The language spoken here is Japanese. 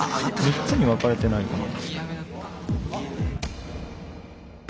３つに分かれてないかな？